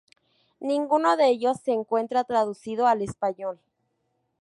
Ninguno de ellos se encuentra traducido al español.